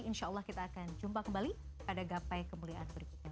insya allah kita akan jumpa kembali pada gapai kemuliaan berikutnya